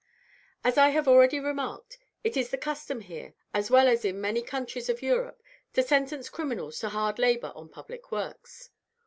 As I have already remarked, it is the custom here, as well as in many countries of Europe, to sentence criminals to hard labour on public works.